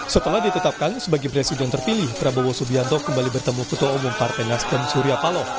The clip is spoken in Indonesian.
setelah ditetapkan sebagai presiden terpilih prabowo subianto kembali bertemu ketua umum partai nasdem surya paloh